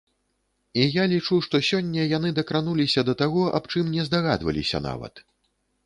І я лічу, што сёння яны дакрануліся да таго, аб чым не здагадваліся нават.